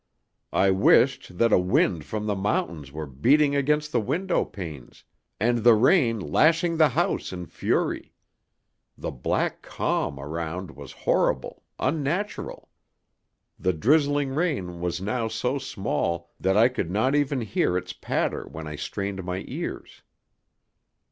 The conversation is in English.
I wished that a wind from the mountains were beating against the window panes, and the rain lashing the house in fury. The black calm around was horrible, unnatural. The drizzling rain was now so small that I could not even hear its patter when I strained my ears.